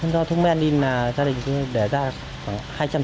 do thuốc men đi mà gia đình tôi để ra khoảng